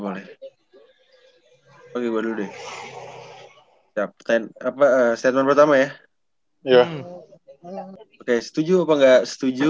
bhu senang kan gak